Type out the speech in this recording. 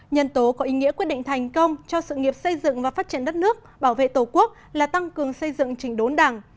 nhân tố có ý nghĩa quyết định thành công cho sự nghiệp xây dựng và phát triển đất nước bảo vệ tổ quốc là tăng cường xây dựng trình đốn đảng